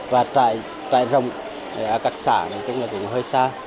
và trại rồng ở các xã cũng là cũng hơi xa